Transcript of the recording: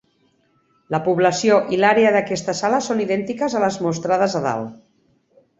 La població i l'àrea d'aquesta sala són idèntiques a les mostrades a dalt.